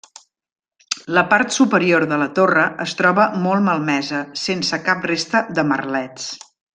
La part superior de la torre es troba molt malmesa, sense cap resta de merlets.